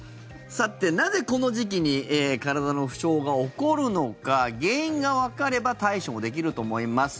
さて、なぜこの時期に体の不調が起こるのか原因がわかれば対処もできると思います。